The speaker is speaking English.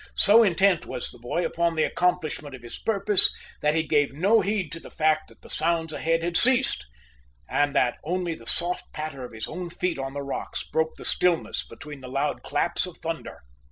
So intent was the boy upon the accomplishment of his purpose that he gave no heed to the fact that the sounds ahead had ceased, and that only the soft patter of his own feet on the rocks broke the stillness between the loud claps of thunder.